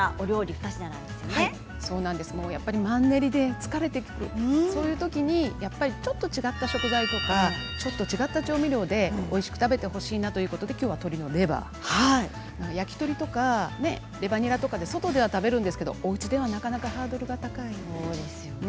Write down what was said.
きょうも、おうちで外食を楽しむマンネリで疲れているそういうときにちょっと違った食材とはちょっと違った調味料でおいしく食べていただきたいなということで、鶏のレバー焼き鳥とかレバにらとか外で食べることあるんですがおうちではなかなかハードルが高いものですよね。